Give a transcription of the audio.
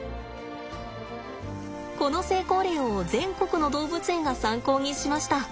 この成功例を全国の動物園が参考にしました。